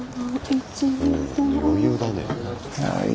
余裕だね。